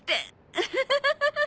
アハハハハ。